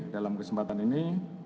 dalam kesempatan ini